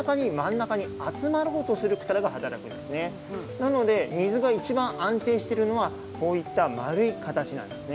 なので水が一番安定しているのはこういった丸い形なんですね。